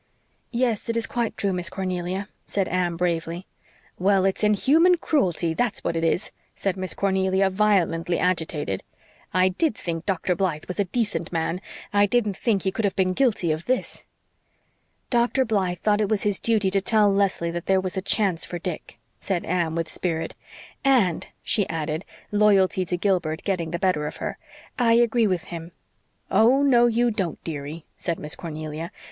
"Yes, it is quite true, Miss Cornelia," said Anne bravely. "Well, it's inhuman cruelty, that's what it is," said Miss Cornelia, violently agitated. "I did think Dr. Blythe was a decent man. I didn't think he could have been guilty of this." "Dr. Blythe thought it was his duty to tell Leslie that there was a chance for Dick," said Anne with spirit, "and," she added, loyalty to Gilbert getting the better of her, "I agree with him." "Oh, no, you don't, dearie," said Miss Cornelia.